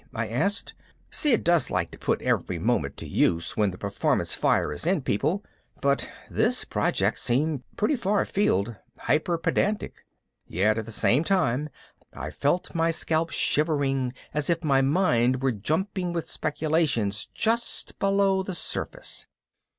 I asked. Sid does like to put every moment to use when the performance fire is in people, but this project seemed pretty far afield hyper pedantic. Yet at the same time I felt my scalp shivering as if my mind were jumping with speculations just below the surface.